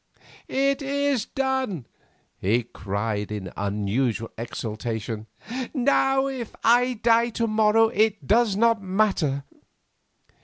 "It is done," he cried in unusual exultation. "Now, if I die to morrow it does not matter."